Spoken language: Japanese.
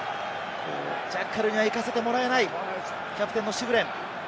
ジャッカルには行かせてもらえない、キャプテンのシグレン。